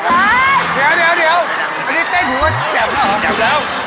เดี๋ยวผมนี่เต้นอยู่ว่าแจบแล้วเหรอ